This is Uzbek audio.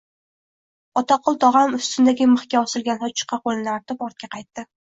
Otaqul tog‘am ustundagi mixga osilgan sochiqqa qo‘lini artib, ortga qaytdi